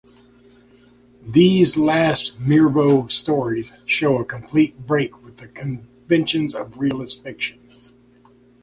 These last Mirbeau stories show a complete break with the conventions of realist fiction.